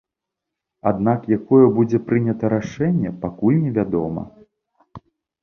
Аднак якое будзе прынята рашэнне, пакуль не вядома.